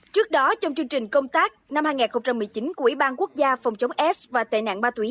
trước đó trong chương trình công tác năm hai nghìn một mươi chín của ủy ban quốc gia phòng chống s và tệ nạn ma túy